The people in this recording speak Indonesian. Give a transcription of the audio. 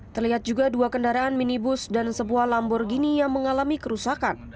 terlihat juga dua kendaraan minibus dan sebuah lamborghini yang mengalami kerusakan